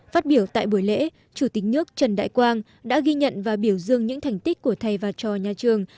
phát biểu tại buổi lễ chủ tịch nước trần đại quang đã ghi nhận và biểu dương những thành tích của thầy và trò nhà trường